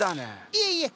いえいえ。